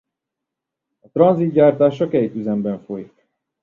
A Transit gyártása két üzemben folyik.